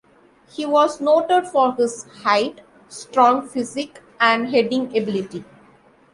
He was noted for his height, strong physique, and heading ability.